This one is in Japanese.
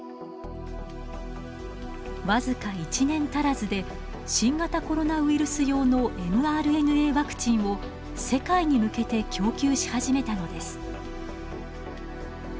わずか１年足らずで新型コロナウイルス用のｍＲＮＡワクチンを世界に向けて供給し始めたのです。